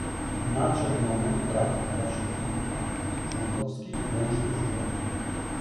Nadszedł moment prawdy dla wszystkich państw członkowskich, łącznie z moim